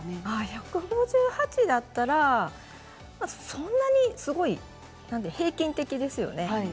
１５８だったら、そんなに平均的ですよね。